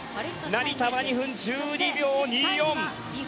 成田は２分１２秒２４。